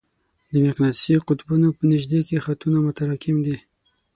د مقناطیسي قطبونو په نژدې کې خطونه متراکم دي.